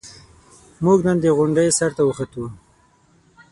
موږ نن د غونډۍ سر ته وخوتو.